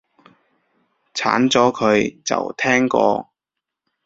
鏟咗佢，就聽過